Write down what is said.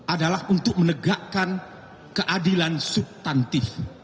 adalah untuk menegakkan keadilan subtantif